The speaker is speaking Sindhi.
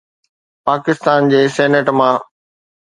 پاڪستان جي سينيٽ مان.